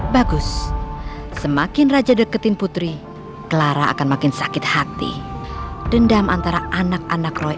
bagus semakin raja deketin putri clara akan makin sakit hati dendam antara anak anak roy